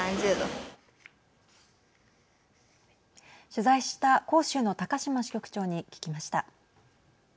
取材した広州の高島支局長に聞きました。